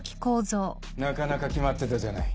なかなか決まってたじゃない。